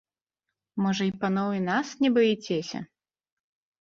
Можа, і паноў і нас не баіцеся?